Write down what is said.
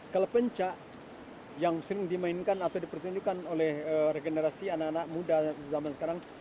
kalau pencak yang sering dimainkan atau dipertunjukkan oleh regenerasi anak anak muda zaman sekarang